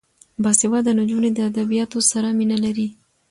باسواده نجونې د ادبیاتو سره مینه لري.